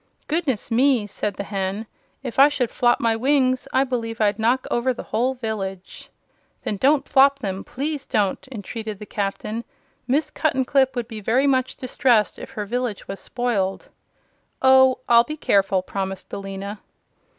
"Goodness me!" said the Hen. "If I should flop my wings I believe I'd knock over the whole village!" "Then don't flop them please don't!" entreated the Captain. "Miss Cuttenclip would be very much distressed if her village was spoiled." "Oh, I'll be careful," promised Billina.